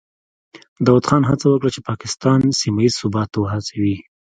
داود خان هڅه وکړه چې پاکستان سیمه ییز ثبات ته وهڅوي.